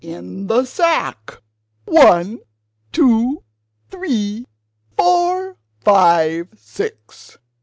"In the sack! one, two, three, four, five, six!"